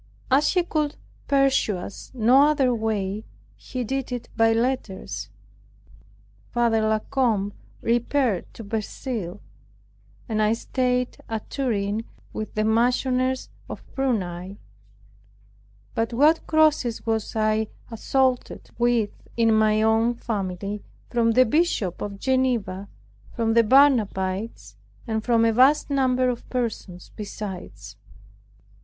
As he could pursue us no other way, he did it by letters. Father La Combe repaired to Verceil, and I staid at Turin, with the Marchioness of Prunai. But what crosses was I assaulted with in my own family, from the Bishop of Geneva, from the Barnabites, and from a vast number of persons besides!